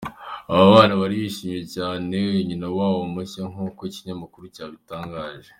Aba bana bari bishimiye cyane uyu nyina wabo mushya nk’uko iki kinyamakuru cyabitangaje.